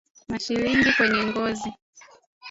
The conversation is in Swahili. Mashilingi kwenye ngozi